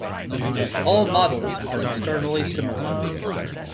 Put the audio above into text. All models are externally similar.